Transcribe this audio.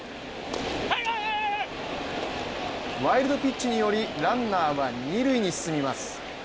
ワイルドピッチによりランナーは二塁に進みます。